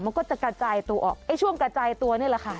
มันก็จะกระจายตัวออกไอ้ช่วงกระจายตัวนี่แหละค่ะ